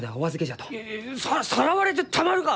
いやささらわれてたまるか！